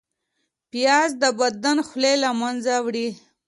پیاز د بدن خولې له منځه وړي